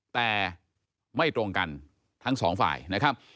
แต่ไม่ตรงกันทั้งสองฝ่ายนะครับ